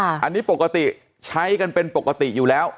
อันนี้ปกติใช้กันเป็นปกติอยู่แล้ว